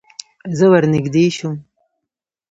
زه ور نږدې شوم.